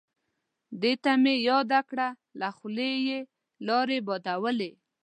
دته مې چې یاده کړه له خولې یې لاړې بادولې.